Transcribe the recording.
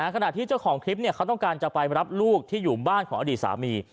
ขณะที่เจ้าของคลิปเขาต้องการจะไปรับลูกที่อยู่บ้านของอดีตสามี